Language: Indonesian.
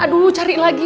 aduh cari lagi